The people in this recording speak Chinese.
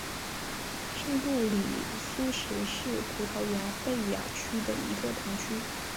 圣布里苏什是葡萄牙贝雅区的一个堂区。